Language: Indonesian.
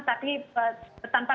tapi tanpa menanggung